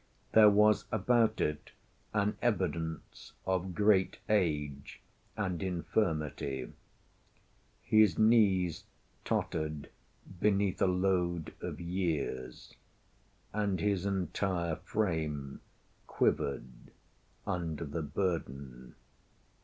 There was about it an evidence of great age and infirmity. His knees tottered beneath a load of years, and his entire frame quivered under the burthen.